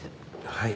はい。